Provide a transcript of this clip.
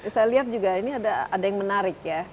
saya lihat juga ini ada yang menarik ya